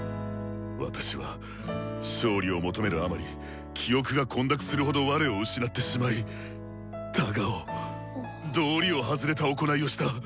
私は勝利を求めるあまり記憶が混濁するほど我を失ってしまいタガを道理を外れた行いをした。